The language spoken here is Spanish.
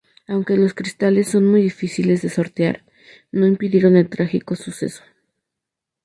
Aunque los cristales son muy difíciles de sortear, no impidieron el trágico suceso.